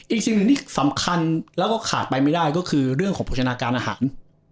อีกสิ่งหนึ่งที่สำคัญแล้วก็ขาดไปไม่ได้ก็คือเรื่องของโภชนาการอาหาร